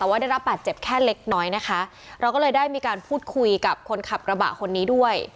ว่าได้รับบาดเจ็บแค่เล็กน้อยนะคะเราก็เลยได้มีการพูดคุยกับคนขับกระบะคนนี้ด้วย